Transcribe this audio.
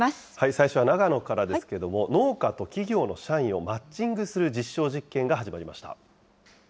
最初は長野からですけれども、農家と企業の社員をマッチングする実証実験が始まりました。